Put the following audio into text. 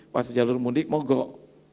pas jalur mundik mogok